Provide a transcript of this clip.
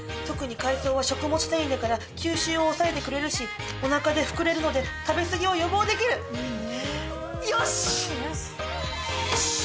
「特に海藻は食物繊維だから吸収を抑えてくれるしおなかで膨れるので食べ過ぎを予防できる」よし。